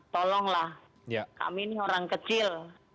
tolonglah kami ini orang kecil